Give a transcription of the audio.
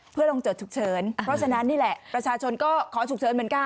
เพื่อลงจดฉุกเฉินเพราะฉะนั้นนี่แหละประชาชนก็ขอฉุกเฉินเหมือนกัน